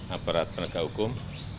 aparat penegak hukum